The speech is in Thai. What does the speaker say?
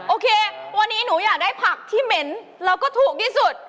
โอเควันนี้หนูอยากได้ผักที่เหม็นแล้วก็ถูกที่สุด